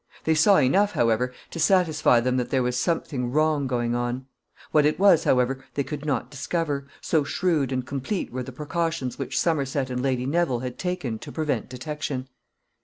They saw enough, however, to satisfy them that there was something wrong going on. What it was, however, they could not discover, so shrewd and complete were the precautions which Somerset and Lady Neville had taken to prevent detection.